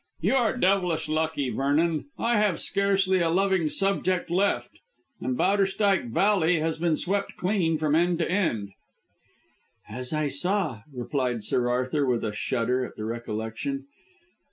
"You are devilish lucky, Vernon. I have scarcely a loving subject left, and Bowderstyke Valley has been swept clean from end to end." "As I saw," replied Sir Arthur with a shudder at the recollection.